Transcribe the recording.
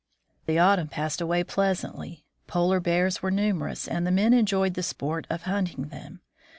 The autumn passed away pleasantly. Polar bears were numerous, and the men enjoyed the sport of hunting them.